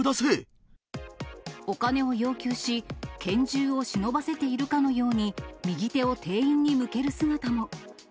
お金を要求し、拳銃を忍ばせているかのように、右手を店員に向ける姿も。